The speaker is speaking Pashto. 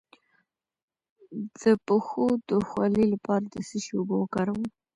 د پښو د خولې لپاره د څه شي اوبه وکاروم؟